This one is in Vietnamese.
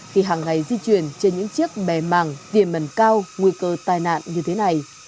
khi hàng ngày di chuyển trên những chiếc bè mẳng tiền mần cao nguy cơ tai nạn như thế này